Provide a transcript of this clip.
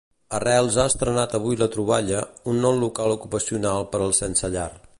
Arrels ha estrenat avui La Troballa, un nou local ocupacional per als sense llar.